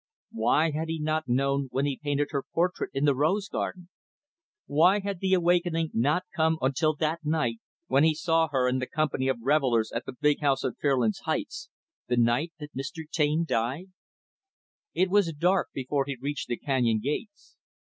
Why had he not known, when he painted her portrait in the rose garden? Why had the awakening not come until that night when he saw her in the company of revelers at the big house on Fairlands Heights the night that Mr. Taine died? It was dark before he reached the canyon gates.